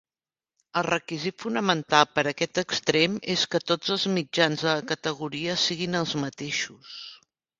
El requisit fonamental per a aquest extrem és que tots els mitjans de la categoria siguin els mateixos.